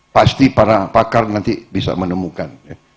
pasti para pakar nanti bisa menemukan